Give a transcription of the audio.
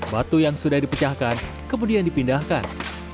batu yang sudah dipecahkan kemudian dipindahkan